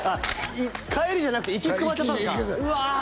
帰りじゃなくて行きに捕まっちゃったんですかうわ